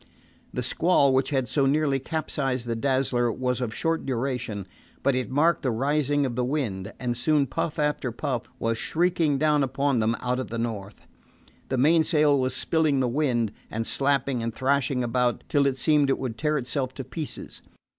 The squall which had so nearly capsized the Dazzler was of short duration, but it marked the rising of the wind, and soon puff after puff was shrieking down upon them out of the north. The mainsail was spilling the wind, and slapping and thrashing about till it seemed it would tear itself to pieces.